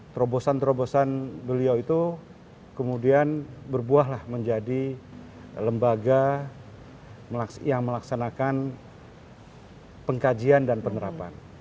terobosan terobosan beliau itu kemudian berbuahlah menjadi lembaga yang melaksanakan pengkajian dan penerapan